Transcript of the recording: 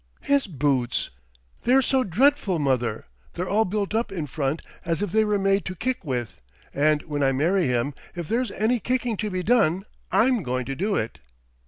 "His boots!" "They're so dreadful, mother. They're all built up in front as if they were made to kick with, and when I marry him, if there's any kicking to be done, I'm going to do it."